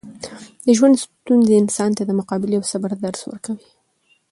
د ژوند ستونزې انسان ته د مقابلې او صبر درس ورکوي.